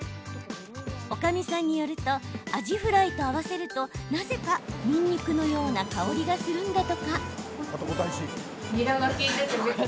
おかみさんによるとアジフライと合わせるとなぜか、にんにくのような香りがするんだとか。